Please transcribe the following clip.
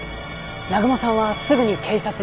南雲さんはすぐに警察に通報。